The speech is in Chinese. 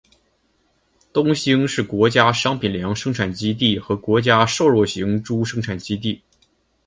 东兴是国家商品粮生产基地和国家瘦肉型猪生产基地。